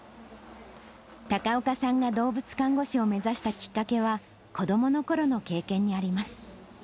高岡さんが動物看護師を目指したきっかけは、子どものころの経験にあります。